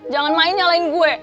jangan main nyalahin gue